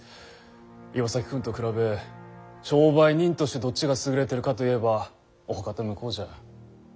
岩崎君と比べ商売人としてどっちが優れてるかといえばおおかた向こうじゃ。